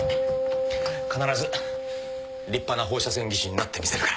必ず立派な放射線技師になってみせるから